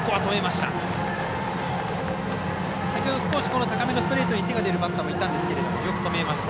先ほど高めのストレートに手が出るバッターもいたんですがよく止めました。